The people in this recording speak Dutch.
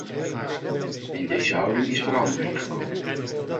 In deze houding is verandering gekomen.